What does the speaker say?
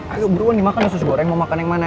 ayo beruan nih makan nasi goreng mau makan yang mana